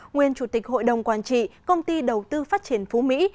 nguyên chủ tịch hội đồng quản trị công ty đầu tư phát triển phú mỹ